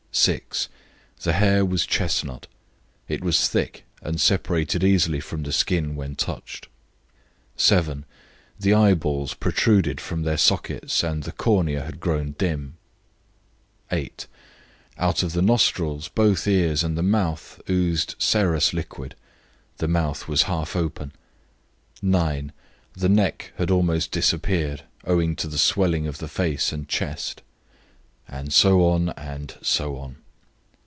"6. The hair was chestnut; it was thick, and separated easily from the skin when touched. "7. The eye balls protruded from their sockets and the cornea had grown dim. "8. Out of the nostrils, both ears, and the mouth oozed serous liquid; the mouth was half open. "9. The neck had almost disappeared, owing to the swelling of the face and chest." And so on and so on.